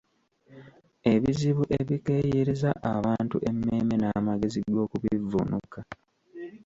Ebizibu ebikeeyereza abantu emmeeme n’amagezi g’okubivvuunuka.